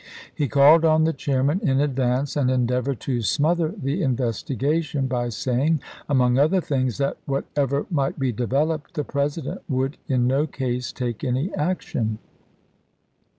He called on the chairman in advance, and endeavored to smother the inves tigation by saying, among other things, that, what ever might be developed, the President would in no case take any action.